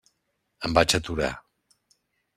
Em vaig aturar.